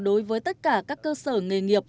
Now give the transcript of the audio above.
đối với tất cả các cơ sở nghề nghiệp